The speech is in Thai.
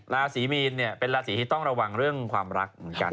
ราศีมีนเนี่ยเป็นราศีที่ต้องระวังเรื่องความรักเหมือนกัน